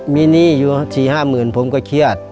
มีหนี้อยู่๔๕๐๐๐ผมก็เครียด